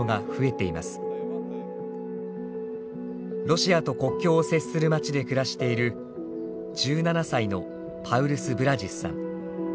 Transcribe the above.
ロシアと国境を接する町で暮らしている１７歳のパウルス・ブラジスさん。